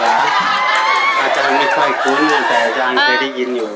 อาจารย์ไม่ค่อยคุ้นแต่อาจารย์เคยได้ยินอยู่